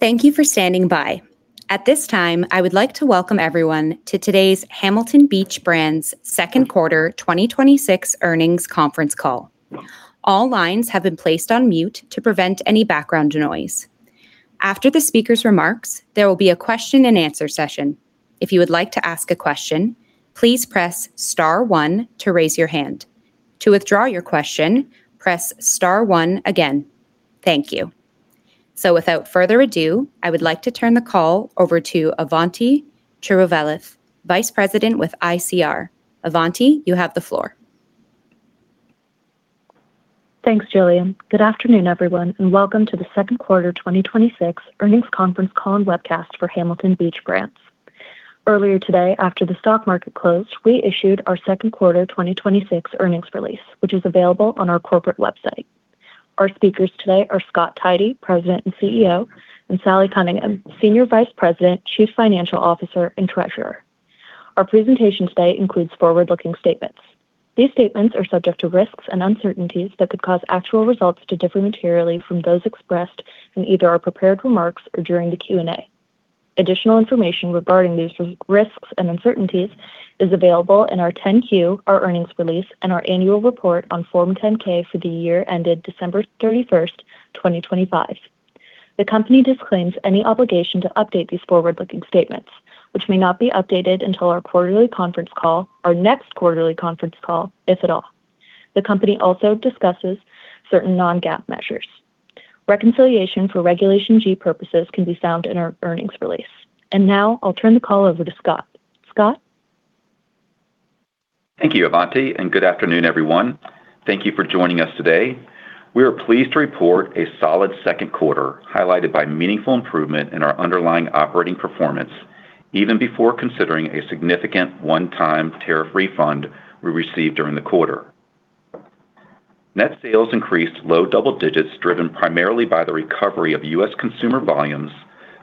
Thank you for standing by. At this time, I would like to welcome everyone to today's Hamilton Beach Brands second quarter 2026 earnings conference call. All lines have been placed on mute to prevent any background noise. After the speaker's remarks, there will be a question and answer session. If you would like to ask a question, please press star one to raise your hand. To withdraw your question, press star one again. Thank you. Without further ado, I would like to turn the call over to Avanti Cheruvallath, vice president with ICR. Avanti, you have the floor. Thanks, Jillian. Good afternoon, everyone, and welcome to the second quarter 2026 earnings conference call and webcast for Hamilton Beach Brands. Earlier today, after the stock market closed, we issued our second quarter 2026 earnings release, which is available on our corporate website. Our speakers today are Scott Tidey, president and CEO, and Sally Cunningham, senior vice president, chief financial officer, and treasurer. Our presentation today includes forward-looking statements. These statements are subject to risks and uncertainties that could cause actual results to differ materially from those expressed in either our prepared remarks or during the Q&A. Additional information regarding these risks and uncertainties is available in our 10-Q, our earnings release, and our annual report on Form 10-K for the year ended December 31st, 2025. The company disclaims any obligation to update these forward-looking statements, which may not be updated until our next quarterly conference call, if at all. The company also discusses certain non-GAAP measures. Reconciliation for Regulation G purposes can be found in our earnings release. Now I'll turn the call over to Scott. Scott? Thank you, Avanti. Good afternoon, everyone. Thank you for joining us today. We are pleased to report a solid second quarter, highlighted by meaningful improvement in our underlying operating performance, even before considering a significant one-time tariff refund we received during the quarter. Net sales increased low double digits, driven primarily by the recovery of U.S. consumer volumes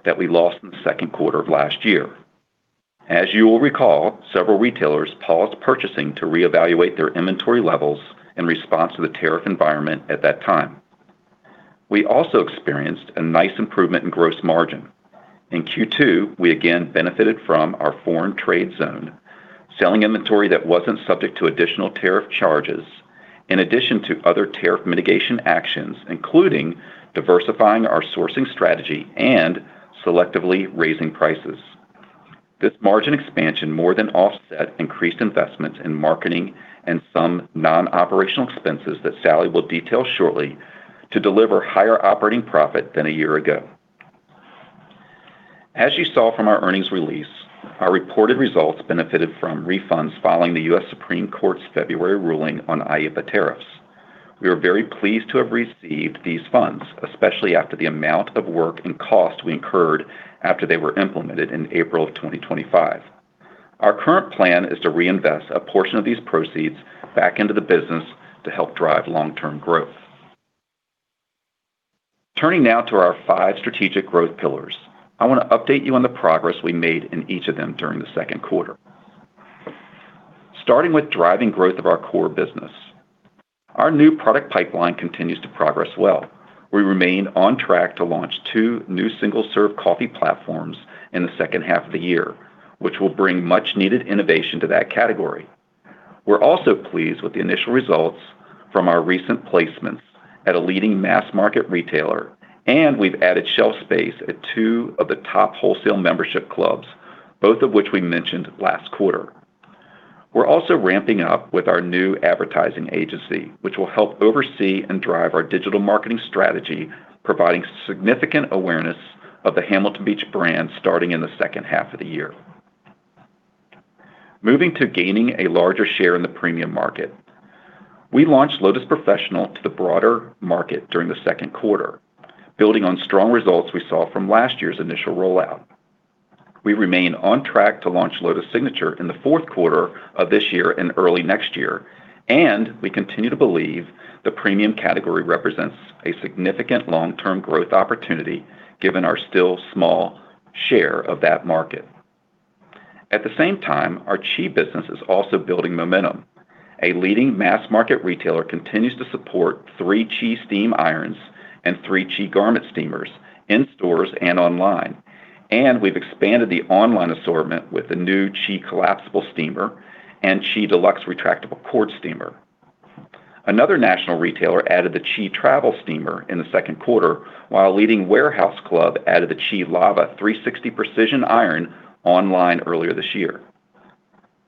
that we lost in the second quarter of last year. As you will recall, several retailers paused purchasing to reevaluate their inventory levels in response to the tariff environment at that time. We also experienced a nice improvement in gross margin. In Q2, we again benefited from our foreign trade zone, selling inventory that wasn't subject to additional tariff charges, in addition to other tariff mitigation actions, including diversifying our sourcing strategy and selectively raising prices. This margin expansion more than offset increased investments in marketing and some non-operational expenses that Sally Cunningham will detail shortly to deliver higher operating profit than a year ago. As you saw from our earnings release, our reported results benefited from refunds following the U.S. Supreme Court's February ruling on IEEPA tariffs. We are very pleased to have received these funds, especially after the amount of work and cost we incurred after they were implemented in April of 2025. Our current plan is to reinvest a portion of these proceeds back into the business to help drive long-term growth. Turning now to our five strategic growth pillars. I want to update you on the progress we made in each of them during the second quarter. Starting with driving growth of our core business. Our new product pipeline continues to progress well. We remain on track to launch two new single-serve coffee platforms in the second half of the year, which will bring much needed innovation to that category. We're also pleased with the initial results from our recent placements at a leading mass market retailer. We've added shelf space at two of the top wholesale membership clubs, both of which we mentioned last quarter. We're also ramping up with our new advertising agency, which will help oversee and drive our digital marketing strategy, providing significant awareness of the Hamilton Beach brand starting in the second half of the year. Moving to gaining a larger share in the premium market. We launched Lotus Professional to the broader market during the second quarter, building on strong results we saw from last year's initial rollout. We remain on track to launch Lotus Signature in the fourth quarter of this year and early next year. We continue to believe the premium category represents a significant long-term growth opportunity given our still small share of that market. At the same time, our CHI business is also building momentum. A leading mass market retailer continues to support three CHI steam irons and three CHI garment steamers in stores and online. We've expanded the online assortment with the new CHI Collapsible Travel Steamer and CHI Deluxe Digital Steamer. Another national retailer added the CHI Travel Steamer in the second quarter, while a leading warehouse club added the CHI Lava 360 Precision Steam Iron online earlier this year.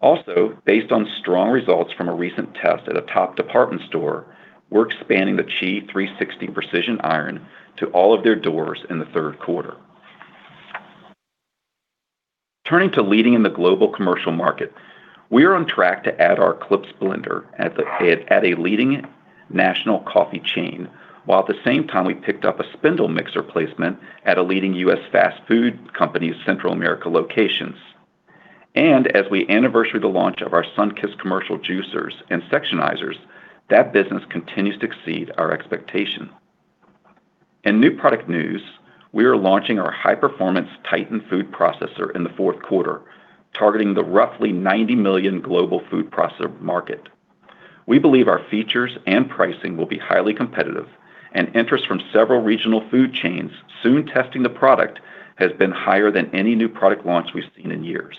Also, based on strong results from a recent test at a top department store, we're expanding the CHI 360 Precision Steam Iron to all of their doors in the third quarter. Turning to leading in the global commercial market. We are on track to add our Eclipse Blender at a leading national coffee chain, while at the same time, we picked up a spindle mixer placement at a leading U.S. fast food company's Central America locations. As we anniversary the launch of our Sunkist commercial juicers and sectionizers, that business continues to exceed our expectation. In new product news, we are launching our high-performance Titan food processor in the fourth quarter, targeting the roughly $90 million global food processor market. We believe our features and pricing will be highly competitive and interest from several regional food chains soon testing the product has been higher than any new product launch we've seen in years.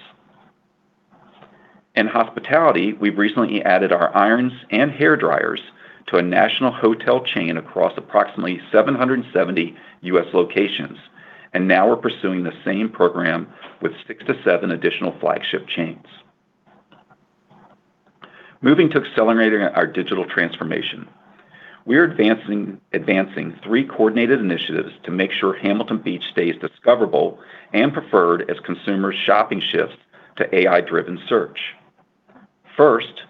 In hospitality, we've recently added our irons and hairdryers to a national hotel chain across approximately 770 U.S. locations. Now we're pursuing the same program with six to seven additional flagship chains. Moving to accelerating our digital transformation. We're advancing three coordinated initiatives to make sure Hamilton Beach stays discoverable and preferred as consumers' shopping shifts to AI-driven search. First,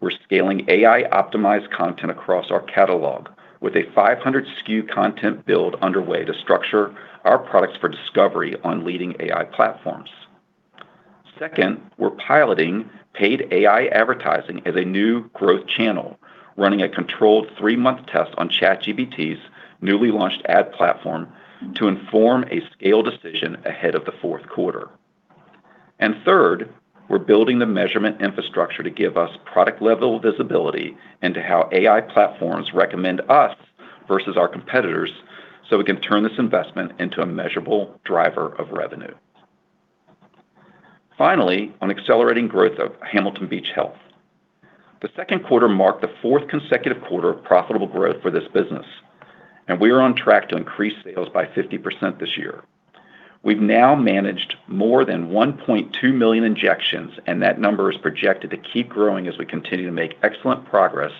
we're scaling AI-optimized content across our catalog with a 500 SKU content build underway to structure our products for discovery on leading AI platforms. Second, we're piloting paid AI advertising as a new growth channel, running a controlled three-month test on ChatGPT's newly launched ad platform to inform a scale decision ahead of the fourth quarter. Third, we're building the measurement infrastructure to give us product-level visibility into how AI platforms recommend us versus our competitors so we can turn this investment into a measurable driver of revenue. Finally, on accelerating growth of Hamilton Beach Health. The second quarter marked the fourth consecutive quarter of profitable growth for this business. We are on track to increase sales by 50% this year. We've now managed more than 1.2 million injections. That number is projected to keep growing as we continue to make excellent progress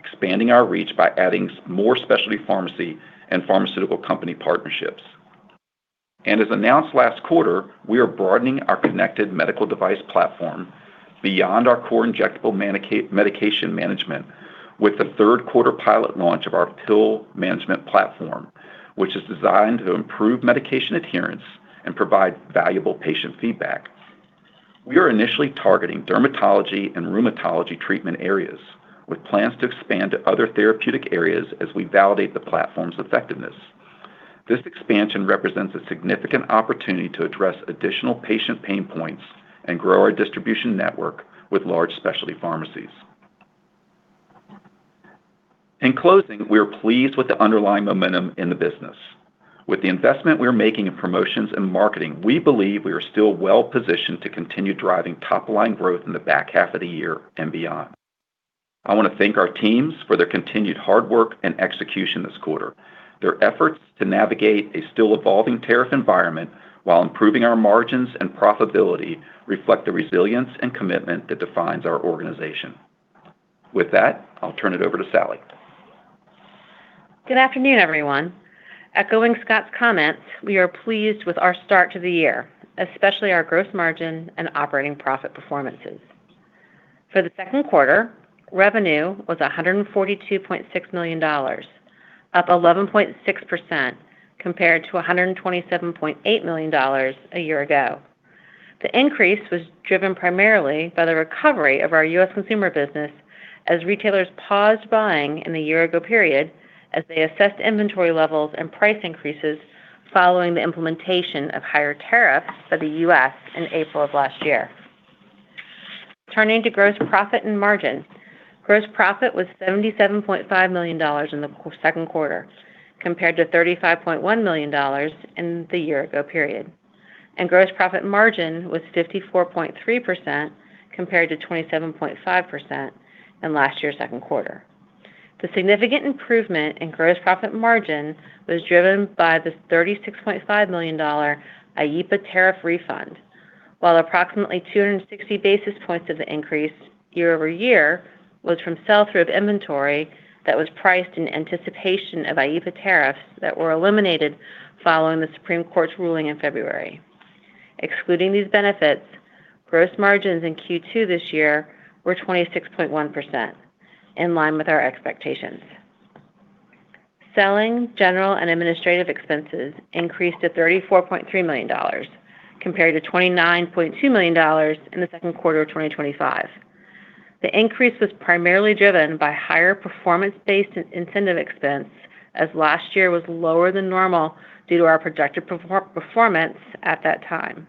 expanding our reach by adding more specialty pharmacy and pharmaceutical company partnerships. As announced last quarter, we are broadening our connected medical device platform beyond our core injectable medication management with the third-quarter pilot launch of our pill management platform, which is designed to improve medication adherence and provide valuable patient feedback. We are initially targeting dermatology and rheumatology treatment areas with plans to expand to other therapeutic areas as we validate the platform's effectiveness. This expansion represents a significant opportunity to address additional patient pain points and grow our distribution network with large specialty pharmacies. In closing, we are pleased with the underlying momentum in the business. With the investment we are making in promotions and marketing, we believe we are still well-positioned to continue driving top-line growth in the back half of the year and beyond. I want to thank our teams for their continued hard work and execution this quarter. Their efforts to navigate a still evolving tariff environment while improving our margins and profitability reflect the resilience and commitment that defines our organization. With that, I'll turn it over to Sally. Good afternoon, everyone. Echoing Scott's comments, we are pleased with our start to the year, especially our gross margin and operating profit performances. For the second quarter, revenue was $142.6 million, up 11.6% compared to $127.8 million a year ago. The increase was driven primarily by the recovery of our U.S. consumer business as retailers paused buying in the year-ago period as they assessed inventory levels and price increases following the implementation of higher tariffs by the U.S. in April of last year. Turning to gross profit and margin. Gross profit was $77.5 million in the second quarter, compared to $35.1 million in the year-ago period. Gross profit margin was 54.3% compared to 27.5% in last year's second quarter. The significant improvement in gross profit margin was driven by the $36.5 million IEEPA tariff refund, while approximately 260 basis points of the increase year-over-year was from sell-through of inventory that was priced in anticipation of IEEPA tariffs that were eliminated following the Supreme Court's ruling in February. Excluding these benefits, gross margins in Q2 this year were 26.1%, in line with our expectations. Selling, general, and administrative expenses increased to $34.3 million, compared to $29.2 million in the second quarter of 2025. The increase was primarily driven by higher performance-based incentive expense, as last year was lower than normal due to our projected performance at that time,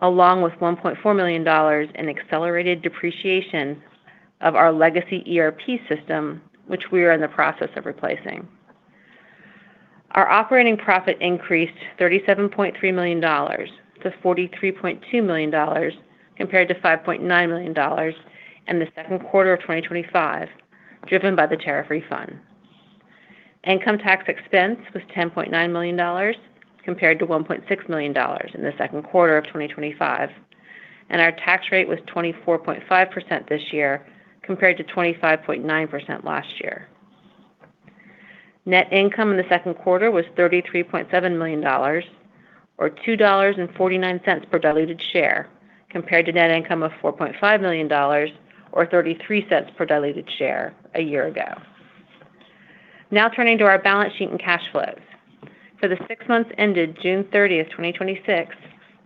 along with $1.4 million in accelerated depreciation of our legacy ERP system, which we are in the process of replacing. Our operating profit increased $37.3 million to $43.2 million, compared to $5.9 million in the second quarter of 2025, driven by the tariff refund. Income tax expense was $10.9 million compared to $1.6 million in the second quarter of 2025, and our tax rate was 24.5% this year compared to 25.9% last year. Net income in the second quarter was $33.7 million, or $2.49 per diluted share, compared to net income of $4.5 million or $0.33 per diluted share a year ago. Now turning to our balance sheet and cash flows. For the six months ended June 30th, 2026,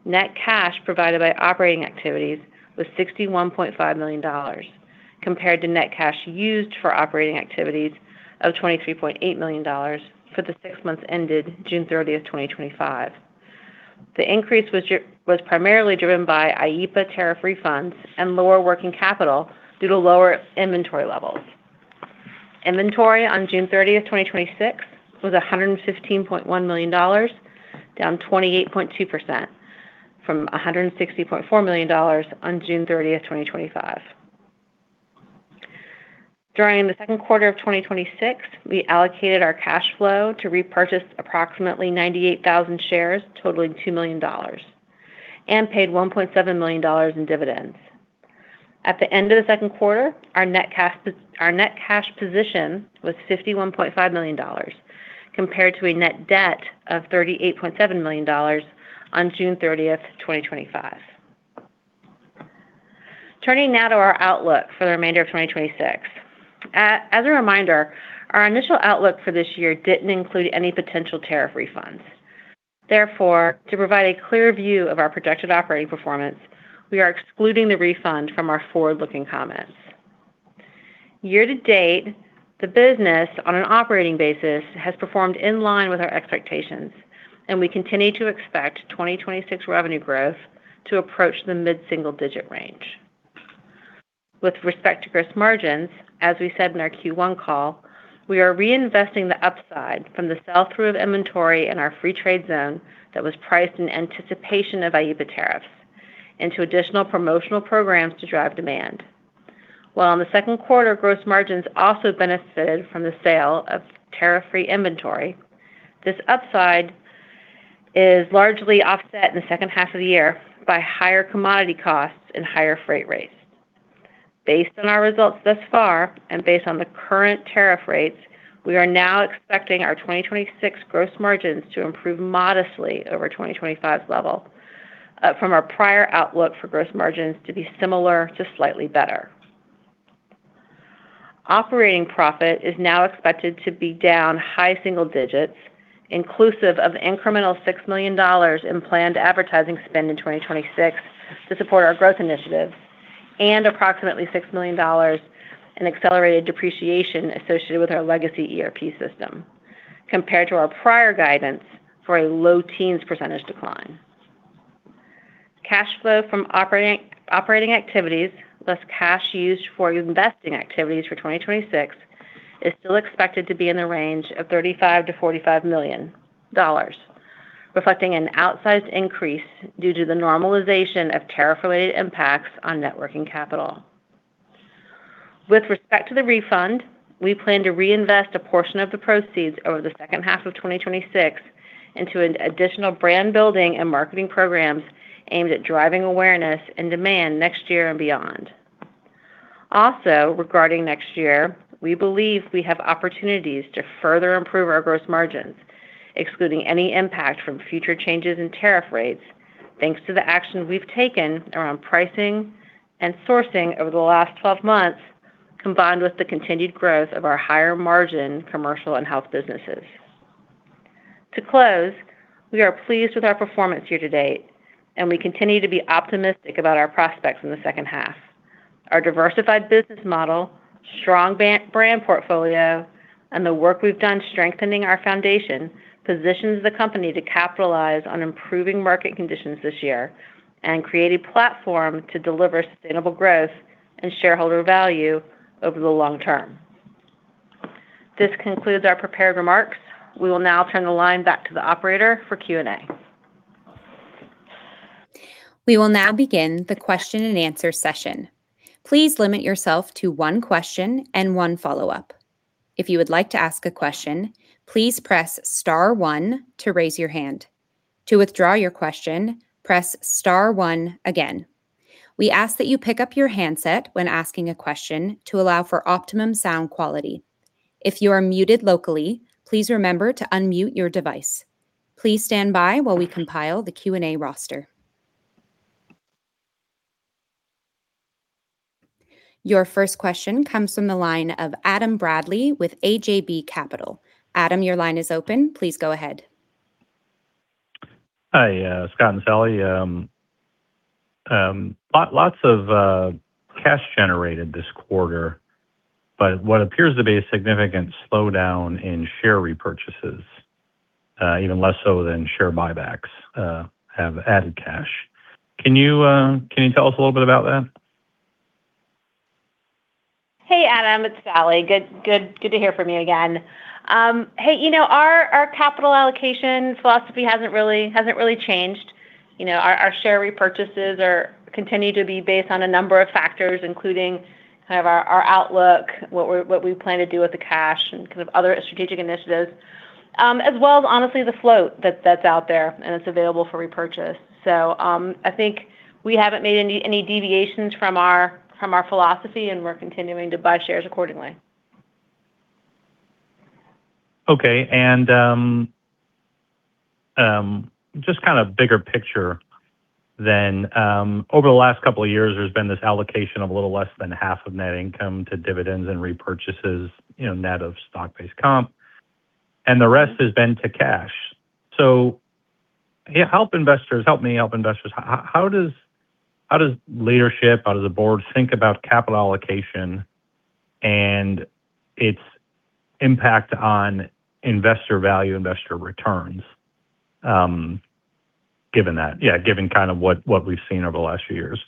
net cash provided by operating activities was $61.5 million, compared to net cash used for operating activities of $23.8 million for the six months ended June 30th, 2025. The increase was primarily driven by IEEPA tariff refunds and lower working capital due to lower inventory levels. Inventory on June 30th, 2026 was $115.1 million, down 28.2% from $160.4 million on June 30th, 2025. During the second quarter of 2026, we allocated our cash flow to repurchase approximately 98,000 shares totaling $2 million, and paid $1.7 million in dividends. At the end of the second quarter, our net cash position was $51.5 million, compared to a net debt of $38.7 million on June 30th, 2025. Turning now to our outlook for the remainder of 2026. As a reminder, our initial outlook for this year didn't include any potential tariff refunds. Therefore, to provide a clear view of our projected operating performance, we are excluding the refund from our forward-looking comments. Year to date, the business on an operating basis has performed in line with our expectations, and we continue to expect 2026 revenue growth to approach the mid-single-digit range. With respect to gross margins, as we said in our Q1 call, we are reinvesting the upside from the sell-through of inventory in our free trade zone that was priced in anticipation of IEEPA tariffs into additional promotional programs to drive demand. While on the second quarter gross margins also benefited from the sale of tariff-free inventory, this upside is largely offset in the second half of the year by higher commodity costs and higher freight rates. Based on our results thus far and based on the current tariff rates, we are now expecting our 2026 gross margins to improve modestly over 2025's level, from our prior outlook for gross margins to be similar to slightly better. Operating profit is now expected to be down high single digits, inclusive of an incremental $6 million in planned advertising spend in 2026 to support our growth initiatives, and approximately $6 million in accelerated depreciation associated with our legacy ERP system, compared to our prior guidance for a low teens percentage decline. Cash flow from operating activities, less cash used for investing activities for 2026 is still expected to be in the range of $35 million-$45 million, reflecting an outsized increase due to the normalization of tariff-related impacts on net working capital. With respect to the refund, we plan to reinvest a portion of the proceeds over the second half of 2026 into additional brand-building and marketing programs aimed at driving awareness and demand next year and beyond. Regarding next year, we believe we have opportunities to further improve our gross margins, excluding any impact from future changes in tariff rates, thanks to the action we've taken around pricing and sourcing over the last 12 months, combined with the continued growth of our higher-margin commercial and health businesses. To close, we are pleased with our performance year to date, and we continue to be optimistic about our prospects in the second half. Our diversified business model, strong brand portfolio, and the work we've done strengthening our foundation positions the company to capitalize on improving market conditions this year and create a platform to deliver sustainable growth and shareholder value over the long term. This concludes our prepared remarks. We will now turn the line back to the operator for Q&A. We will now begin the question and answer session. Please limit yourself to one question and one follow-up. If you would like to ask a question, please press star one to raise your hand. To withdraw your question, press star one again. We ask that you pick up your handset when asking a question to allow for optimum sound quality. If you are muted locally, please remember to unmute your device. Please stand by while we compile the Q&A roster. Your first question comes from the line of Adam Bradley with AJB Capital. Adam, your line is open. Please go ahead. Hi, Scott and Sally. What appears to be a significant slowdown in share repurchases, even less so than share buybacks have added cash. Can you tell us a little bit about that? Hey, Adam. It's Sally. Good to hear from you again. Our capital allocation philosophy hasn't really changed. Our share repurchases continue to be based on a number of factors, including our outlook, what we plan to do with the cash, and other strategic initiatives. As well as, honestly, the float that's out there and that's available for repurchase. I think we haven't made any deviations from our philosophy, and we're continuing to buy shares accordingly. Okay. Just kind of bigger picture then, over the last couple of years, there's been this allocation of a little less than half of net income to dividends and repurchases, net of stock-based comp, and the rest has been to cash. Help me help investors. How does leadership, how does the board think about capital allocation and its impact on investor value, investor returns given what we've seen over the last few years?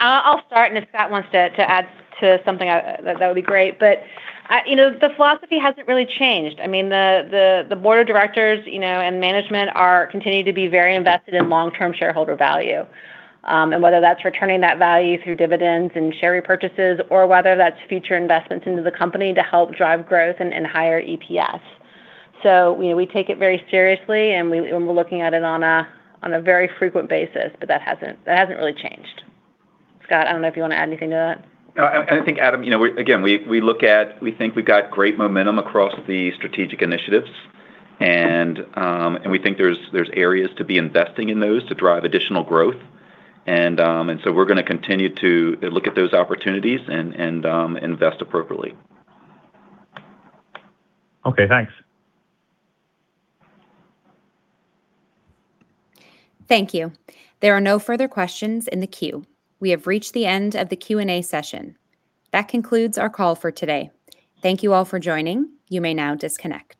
I'll start, if Scott wants to add to something, that would be great. The philosophy hasn't really changed. The board of directors and management continue to be very invested in long-term shareholder value. Whether that's returning that value through dividends and share repurchases or whether that's future investments into the company to help drive growth and higher EPS. We take it very seriously, and we're looking at it on a very frequent basis, but that hasn't really changed. Scott, I don't know if you want to add anything to that. No. I think, Adam, again, we think we've got great momentum across the strategic initiatives, and we think there's areas to be investing in those to drive additional growth. We're going to continue to look at those opportunities and invest appropriately. Okay, thanks. Thank you. There are no further questions in the queue. We have reached the end of the Q&A session. That concludes our call for today. Thank you all for joining. You may now disconnect.